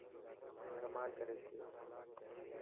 ڪمال ڪاري ڇڏيو.